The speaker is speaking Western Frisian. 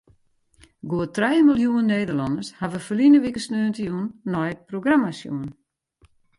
Goed trije miljoen Nederlanners hawwe ferline wike sneontejûn nei it programma sjoen.